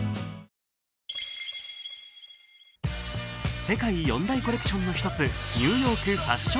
世界４大コレクションの一つニューヨークファッション